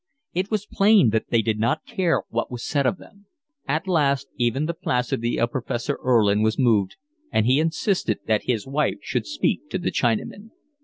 It was plain that they did not care what was said of them. At last even the placidity of Professor Erlin was moved, and he insisted that his wife should speak to the Chinaman.